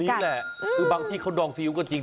ผมชอบตรงนี้แหละคือบางที่เขาดองซีอิ๊วก็จริง